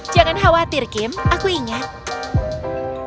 jangan khawatir kim aku ingat